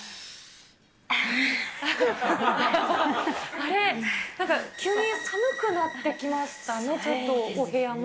あれ、なんか急に寒くなってきましたね、ちょっと、お部屋も。